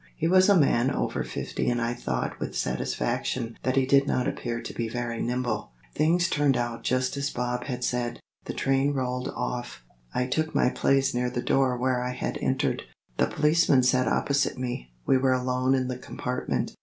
He was a man over fifty and I thought with satisfaction that he did not appear to be very nimble. Things turned out just as Bob had said. The train rolled off. I took my place near the door where I had entered. The policeman sat opposite me; we were alone in the compartment.